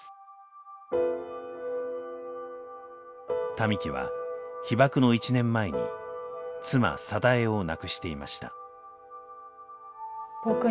民喜は被爆の１年前に妻貞恵を亡くしていました。